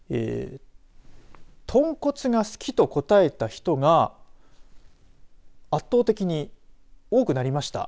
豚骨が好きと答えた人が圧倒的に多くなりました。